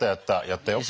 やったよ。